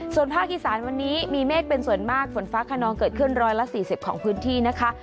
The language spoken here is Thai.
ส่วนภาคอีสานวันนี้มีเมฆเป็นส่วนมากฝนฟ้าขนองเกิดขึ้น๑๔๐ของพื้นที่นะคะ